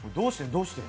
どうして？